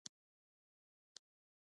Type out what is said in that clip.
آیا سینټ لارنس لاره مهمه نه ده؟